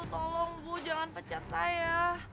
tolong bu jangan pecat saya